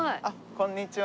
こんにちは。